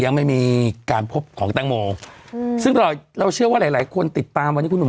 ยังไม่มีการพบของแตงโมอืมซึ่งเราเราเชื่อว่าหลายหลายคนติดตามวันนี้คุณหนุ่ม